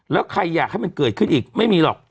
แล้วใครอยากให้มันเกิดขึ้นอีกไม่มีหรอก